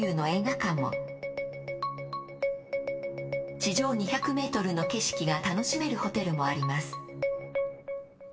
地上２００ｍの景色が楽しめるホテルもあります。